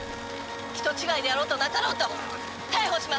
人違いであろうとなかろうと逮捕します。